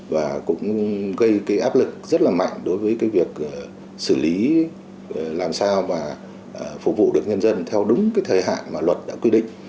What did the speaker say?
và cũng gây cái áp lực rất là mạnh đối với cái việc xử lý làm sao và phục vụ được nhân dân theo đúng cái thời hạn mà luật đã quy định